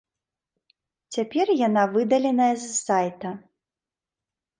Цяпер яна выдаленая з сайта.